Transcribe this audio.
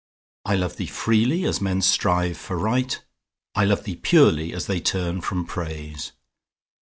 I love thee freely, as men strive for Right; I love thee purely, as they turn from Praise.